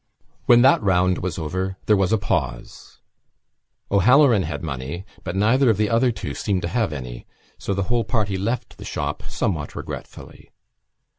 When that round was over there was a pause. O'Halloran had money but neither of the other two seemed to have any; so the whole party left the shop somewhat regretfully.